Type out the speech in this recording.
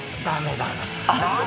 ダメだな。